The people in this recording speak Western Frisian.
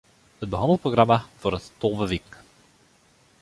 It behannelprogramma duorret tolve wiken.